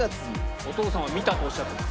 「お父さんは“見た”とおっしゃってます」